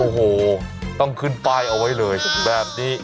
โอ้โหต้องขึ้นป้ายเอาไว้เลยแบบนี้